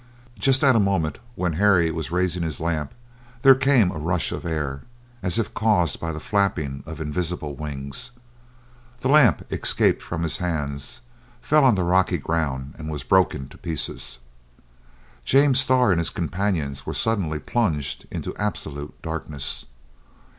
Just at a moment when Harry was raising his lamp there came a rush of air, as if caused by the flapping of invisible wings. The lamp escaped from his hands, fell on the rocky ground, and was broken to pieces. James Starr and his companions were suddenly plunged in absolute darkness.